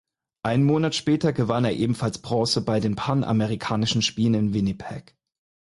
Einen Monat später gewann er ebenfalls Bronze bei den Panamerikanischen Spielen in Winnipeg.